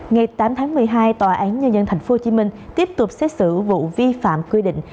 ngày tám tháng một mươi hai tòa án nhân dân tp hcm tiếp tục xét xử vụ vi phạm quy định